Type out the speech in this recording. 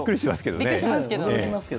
びっくりしますけど。